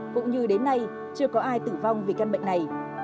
cũng như đến nay chưa có ai tử vong vì căn bệnh này